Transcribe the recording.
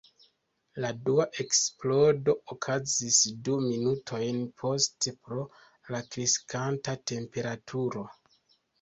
La dua eksplodo okazis du minutojn poste pro la kreskanta temperaturo.